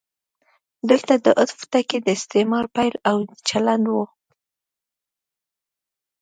دلته د عطف ټکی د استعمار پیل او د چلند و.